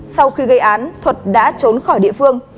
sau khi gây án thuật đã trốn khỏi địa phương